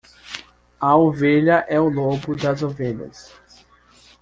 A ovelha é o lobo das ovelhas.